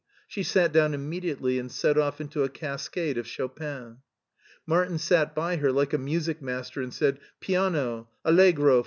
She sat down immediately and set oflf into a cascade of Chopin. Martin sat by her like a music master and said, "Piano!" "AUegro!"